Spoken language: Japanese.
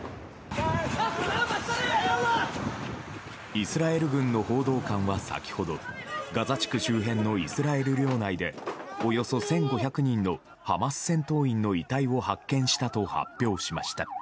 イスラエル軍の報道官は先ほどガザ地区周辺のイスラエル領内でおよそ１５００人のハマス戦闘員の遺体を発見したと発表しました。